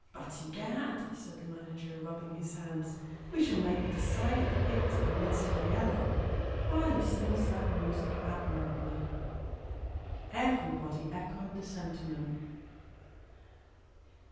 " But, egad," said the manager, rubbing his hands, " we shall make a decided hit in ' Masaniello.' Harleigh sings that music admirably." Everybody echoed the sentiment.